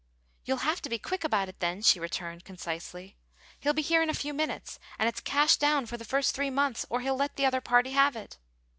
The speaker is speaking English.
"You'll have to be quick about it, then," she returned, concisely. "He'll be here in a few minutes, and it's cash down for the first three months, or he'll let the other party have it."